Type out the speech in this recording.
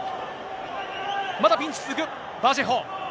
まだピンチ続く、バジェホ。